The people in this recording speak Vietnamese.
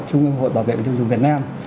trung ương hội bảo vệ người tiêu dùng việt nam